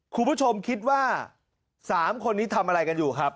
คุณผู้ชมคิดว่า๓คนนี้ทำอะไรกันอยู่ครับ